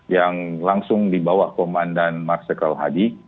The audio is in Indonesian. yang langsung dibawah komandan marsha kauhadi